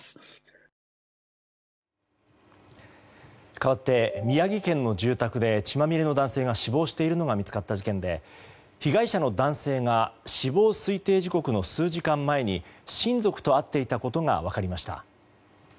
かわって、宮城県の住宅で血まみれの男性が死亡しているのが見つかった事件で被害者の男性が死亡推定時刻の数時間前に親族と会っていたことが分かりました。